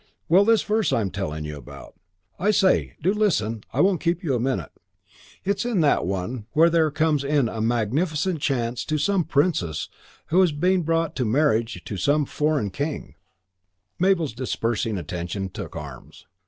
Well, this verse I'm telling you about. I say, do listen, I won't keep you a minute. It's in that one where there comes in a magnificent chant to some princess who was being brought to marriage to some foreign king " Mabel's dispersing attention took arms.